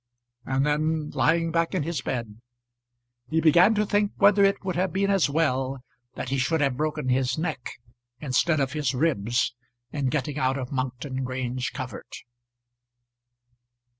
And then, lying back in his bed, he began to think whether it would have been as well that he should have broken his neck instead of his ribs in getting out of Monkton Grange covert.